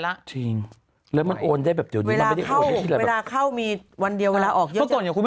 มีเงินเป็นใบอยู่ในกระเป๋าตังค์